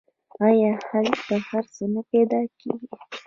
آیا هلته هر څه نه پیدا کیږي؟